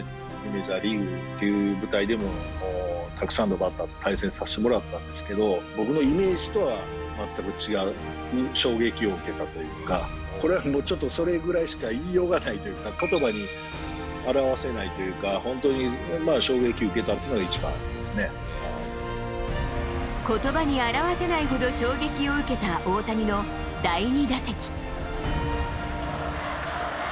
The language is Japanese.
メジャーリーグという舞台でもたくさんのバッターと対戦させてもらったんですけど、僕のイメージとは全く違う衝撃を受けたというか、これはもう、ちょっとそれぐらいしか言いようがないというか、ことばに表せないというか、本当に衝撃受けたっていうのが一ことばに表せないほど衝撃を受けた大谷の第２打席。